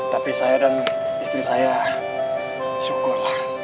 tapi saya dan istri saya syukurlah